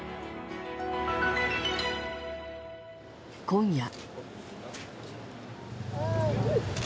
今夜。